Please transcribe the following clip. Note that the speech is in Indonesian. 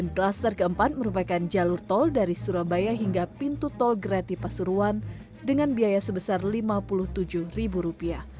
klaster keempat merupakan jalur tol dari surabaya hingga pintu tol grati pasuruan dengan biaya sebesar rp lima puluh tujuh